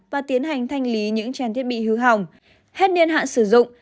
và tiến hành thanh lý những trang thiết bị hư hỏng hết niên hạn sử dụng